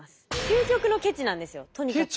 究極のケチなんですよとにかく。